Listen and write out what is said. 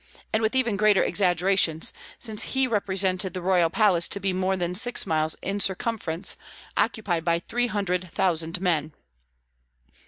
and with even greater exaggerations, since he represented the royal palace to be more than six miles in circumference, occupied by three hundred thousand men.